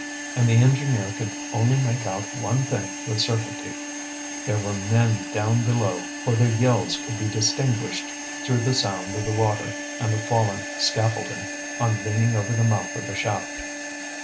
And the engineer could only make out one thing with certainty: there were men down below, for their yells could be distinguished through the sound of the water and the fallen scaffolding, on leaning over the mouth of the shaft.